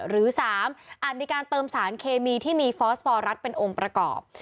หรือ๓อาจมีการเติมสารเคมีที่มีฟอสฟอรัสเป็นองค์ประกอบ